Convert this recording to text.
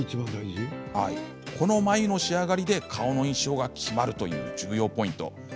この眉の仕上がりで顔の印象が決まるという重要ポイント。